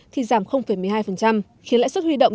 thì giảm một mươi hai khiến lãi suất huy động